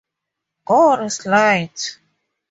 God is Light.